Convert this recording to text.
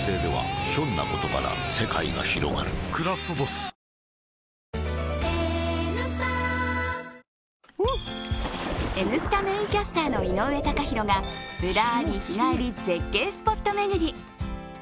「クラフトボス」Ｎスタメーンキャスターの井上貴博がぶらり日帰り絶景スポット巡り。